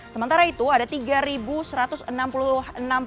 sementara itu ada tiga satu ratus enam puluh enam orang